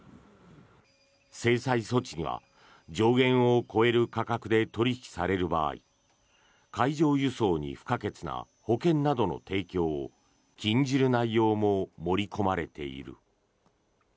制裁措置には上限を超える価格で取引される場合海上輸送に不可欠な保険などの提供を禁じる内容も盛り込まれている。